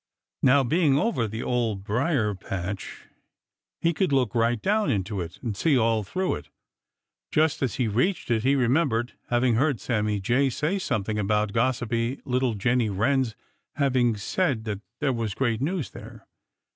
Now, being over the Old Briar patch, he could look right down into it and see all through it. Just as he reached it, he remembered having heard Sammy Jay say something about gossipy little Jenny Wren's having said that there was great news there.